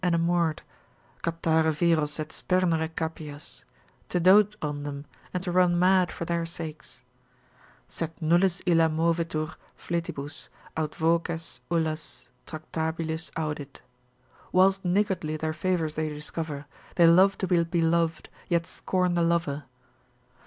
enamoured,— captare viros et spernere capias, to dote on them, and to run mad for their sakes, ———sed nullis illa movetur Fletibus, aut voces ullas tractabilis audit. Whilst niggardly their favours they discover, They love to be belov'd, yet scorn the lover.